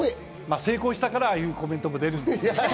成功したからああいうコメントも出るんです。